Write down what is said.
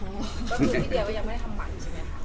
ก็คือพี่เดียวยังไม่ได้ทำหมั่นใช่มั้ยค่ะ